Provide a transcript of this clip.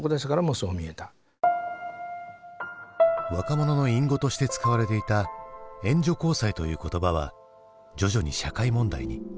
若者の隠語として使われていた「援助交際」という言葉は徐々に社会問題に。